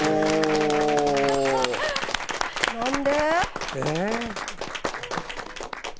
何で？